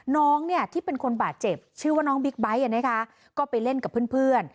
น้องเนี่ยที่เป็นคนบาดเจ็บชื่อว่าน้องบิ๊กไบท์ก็ไปเล่นกับเพื่อน